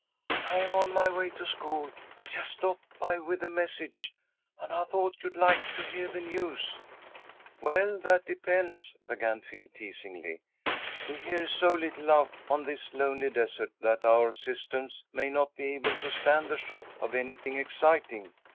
"I'm on my way to school. I just stopped by with a message, and I thought you'd like to hear the news." "Well, that depends," began Phil, teasingly. "We hear so little out on this lonely desert, that our systems may not be able to stand the shock of anything exciting.